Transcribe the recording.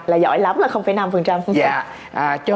là giỏi lắm là năm phần trăm